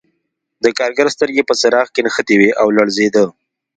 د کارګر سترګې په څراغ کې نښتې وې او لړزېده